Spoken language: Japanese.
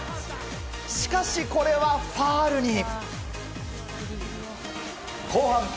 しかし、これはファウルに。